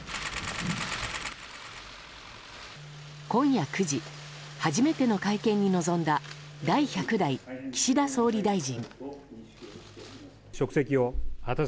今夜９時初めての会見に臨んだ第１００代岸田総理大臣。